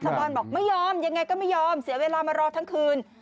บอกไม่ยอมยังไงก็ไม่ยอมเสียเวลามารอทั้งคืน